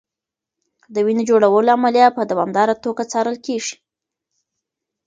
د وینې جوړولو عملیه په دوامداره توګه څارل کېږي.